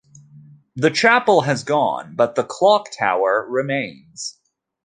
The chapel has gone but the clock tower remains.